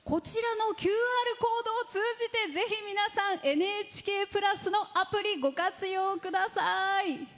ＱＲコードを通じてぜひ皆さん「ＮＨＫプラス」のアプリご活用ください。